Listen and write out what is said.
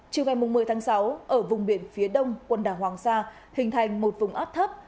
chiều ngày một mươi tháng sáu ở vùng biển phía đông quần đảo hoàng sa hình thành một vùng áp thấp